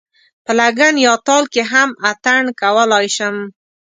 په لګن یا تال کې هم اتڼ کولای شم.